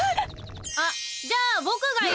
あっじゃあ僕が行。